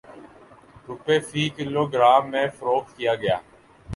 روپے فی kilogram میں فروخت کیا گیا